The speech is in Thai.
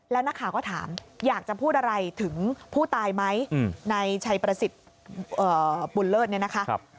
แล้วนักข่าวก็ถามอยากจะพูดอะไรถึงผู้ตายไหมในชัยประสิทธิ์บุญเลิศเนี่ยนะคะ